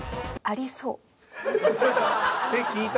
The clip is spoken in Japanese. ありそう。